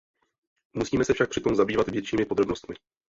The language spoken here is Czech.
Musíme se však při tom zabývat většími podrobnostmi.